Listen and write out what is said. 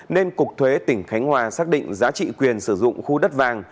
nên cục thuế tỉnh khánh hòa xác định giá trị quyền sử dụng khu đất vàng